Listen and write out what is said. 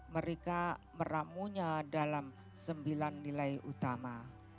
mereka meramunya dalam sembilan nilai utama